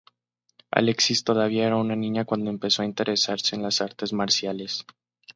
Alexis todavía era una niña cuando empezó a interesarse en las artes marciales.